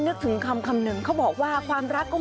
นึกถึงคำนึงเขาบอกว่า